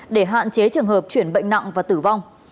để hạn chế trường hợp chuyển bệnh nặng và tử vong